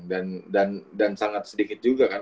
dan dan dan sangat sedikit juga kan